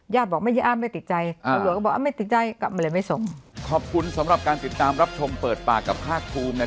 ญาติบอกไม่เยี่ยมไม่ติดใจ